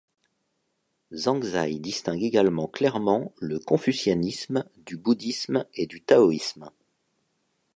Zhang Zai distingue également clairement le confucianisme du bouddhisme et du taoïsme.